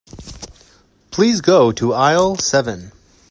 Please go to aisle seven.